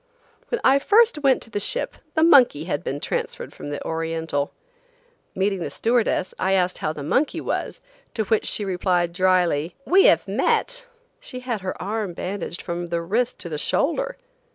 When I first went to the ship the monkey had been transferred from the Oriental. Meeting the stewardess I asked how the monkey was, to which she replied dryly: "We have met." She had her arm bandaged from the wrist to the shoulder!